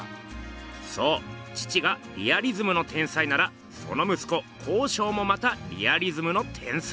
そう父がリアリズムの天才ならその息子康勝もまたリアリズムの天才。